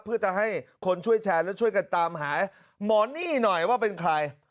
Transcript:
เพื่อจะให้คนช่วยแชร์และช่วยกันตามหาหมอนี่หน่อยว่าเป็นใคร